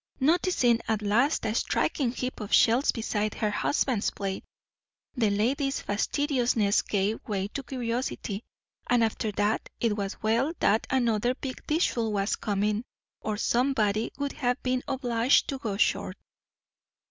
Noticing at last a striking heap of shells beside her husband's plate, the lady's fastidiousness gave way to curiosity; and after that, it was well that another big dishful was coming, or somebody would have been obliged to go short.